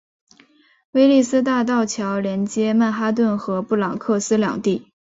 威利斯大道桥连接曼哈顿和布朗克斯两地。